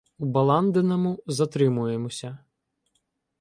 У Баландиному затримуємося.